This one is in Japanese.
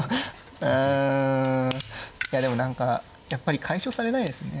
うんいやでも何かやっぱり解消されないですね。